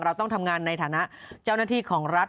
เราต้องทำงานในฐานะเจ้าหน้าที่ของรัฐ